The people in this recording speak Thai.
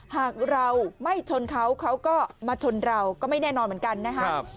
หากเราไม่ชนเขาเขาก็มาชนเราก็ไม่แน่นอนเหมือนกันนะครับ